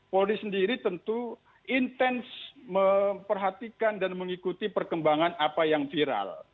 polri sendiri tentu intens memperhatikan dan mengikuti perkembangan apa yang viral